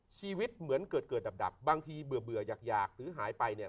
ชีวิตเหมือนเกิดเกิดดับบางทีเบื่ออยากหรือหายไปเนี่ย